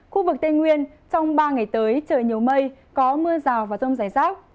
khu vực tây nguyên trong ba ngày tới trời nhiều mây có mưa rào và rông rải rác